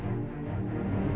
aku sudah berpikir